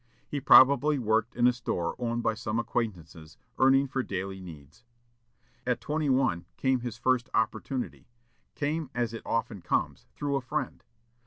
He probably worked in a store owned by some acquaintances, earning for daily needs. At twenty one came his first opportunity; came, as it often comes, through a friend.